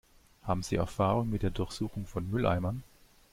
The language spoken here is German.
Haben Sie Erfahrung mit der Durchsuchung von Mülleimern?